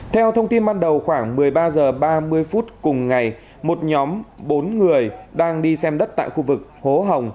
theo thông tin ban đầu khoảng một mươi ba h ba mươi phút cùng ngày một nhóm bốn người đang đi xem đất tại khu vực hố hồng